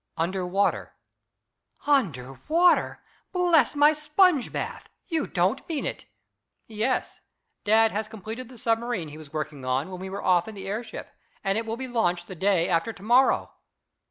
"Under water." "Under water? Bless my sponge bath! You don't mean it!" "Yes. Dad has completed the submarine he was working on when we were off in the airship, and it will be launched the day after to morrow."